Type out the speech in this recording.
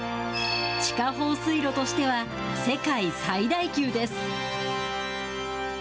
地下放水路としては、世界最大級です。